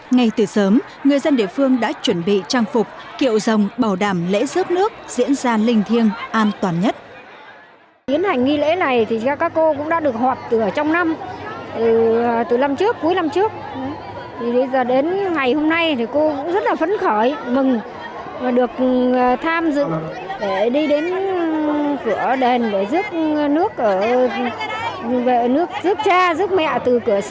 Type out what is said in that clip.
ngay từ sớm người dân địa phương đã chuẩn bị trang phục kiệu dòng bảo đảm lễ rước nước diễn ra linh thiêng an toàn nhất